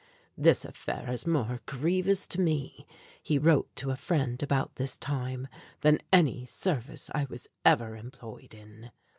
"This affair is more grievous to me," he wrote to a friend about this time, "than any service I was ever employed in."